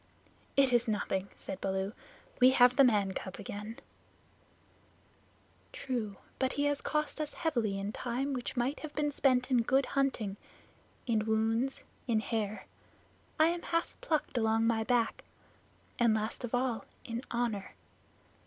"It is nothing," said Baloo; "we have the man cub again." "True, but he has cost us heavily in time which might have been spent in good hunting, in wounds, in hair I am half plucked along my back and last of all, in honor.